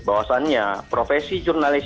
bahwasannya profesi jurnalis